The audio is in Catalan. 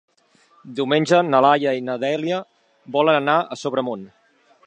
Diumenge na Laia i na Dèlia volen anar a Sobremunt.